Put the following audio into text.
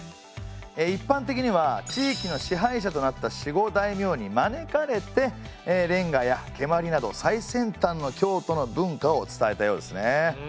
一般的には地域の支配者となった守護大名に招かれて連歌や蹴鞠など最先端の京都の文化を伝えたようですね。